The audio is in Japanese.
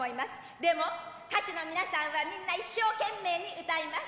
でも歌手の皆さんはみんな一生懸命に歌います。